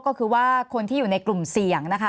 ก็คือว่าคนที่อยู่ในกลุ่มเสี่ยงนะคะ